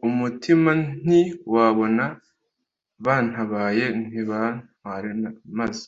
mumutima nti wabona bantabaye ntibantware maze